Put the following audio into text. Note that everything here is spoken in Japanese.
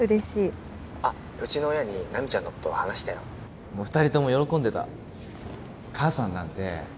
☎あっうちの親に奈未ちゃんのこと話したよ二人とも喜んでた母さんなんて